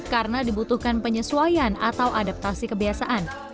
karena dibutuhkan penyesuaian atau adaptasi kebiasaan